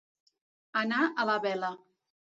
Anar a la vela.